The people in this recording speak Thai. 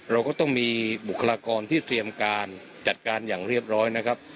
เราก็ต้องมีบุคลากรที่เตรียมการจัดการอย่างเรียบร้อยนะครับ